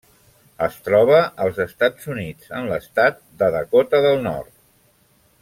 Es troba als Estats Units, en l'estat de Dakota del Nord.